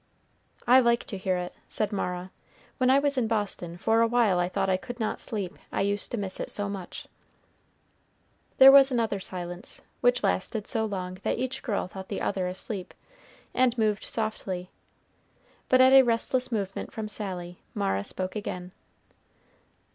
"I like to hear it," said Mara. "When I was in Boston, for a while I thought I could not sleep, I used to miss it so much." There was another silence, which lasted so long that each girl thought the other asleep, and moved softly, but at a restless movement from Sally, Mara spoke again.